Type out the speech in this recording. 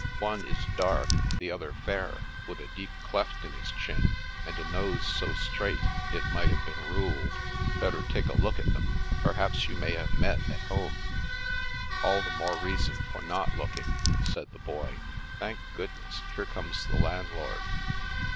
"One is dark, the other fair, with a deep cleft in his chin, and a nose so straight it might The Americans 297 have been ruled. Better take a look at them. Per haps you may have met at home." " All the more reason for not looking," said the Boy. " Thank goodness, here comes the landlord."